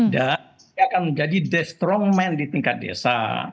dan dia akan menjadi strong man di tingkat desa